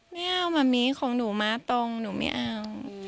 ไม่เอาแบบนี้ของหนูมาตรงหนูไม่เอา